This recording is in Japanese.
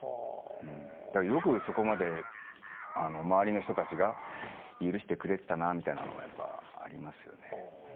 だからよくそこまで周りの人たちが許してくれてたなみたいなのはやっぱありますよね。